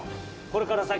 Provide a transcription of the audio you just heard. これから先？